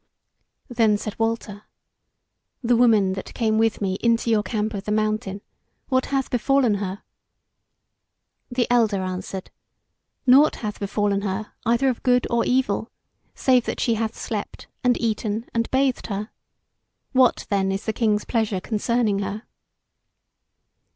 Then said Walter: "The woman that came with me into your Camp of the Mountain, what hath befallen her?" The elder answered: "Nought hath befallen her, either of good or evil, save that she hath slept and eaten and bathed her. What, then, is the King's pleasure concerning her?"